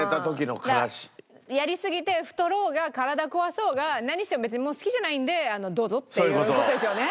やりすぎて太ろうが体壊そうが何しても別にもう好きじゃないんでどうぞっていう事ですよね。